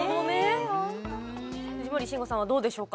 藤森慎吾さんはどうでしょうか？